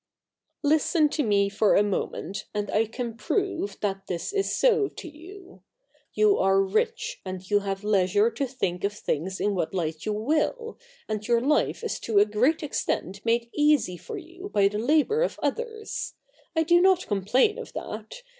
' Listen to me for a moment and I can prove that this is so to you. You are rich, and you have leisure to think of things in what light you will, and your life is to a great extent made easy for you by the labour of others. I do not complain of that.